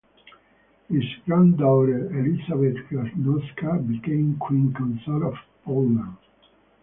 His granddaughter Elizabeth Granowska became Queen consort of Poland.